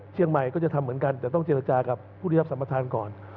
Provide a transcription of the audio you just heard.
เชียงใหม่ก็จะทำเหมือนกันแต่ต้องเจรจากับผู้ที่รับสรรพทานก่อน